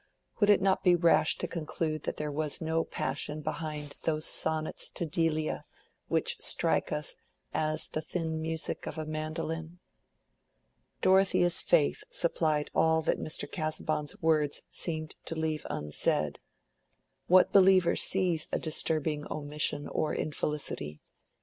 Would it not be rash to conclude that there was no passion behind those sonnets to Delia which strike us as the thin music of a mandolin? Dorothea's faith supplied all that Mr. Casaubon's words seemed to leave unsaid: what believer sees a disturbing omission or infelicity?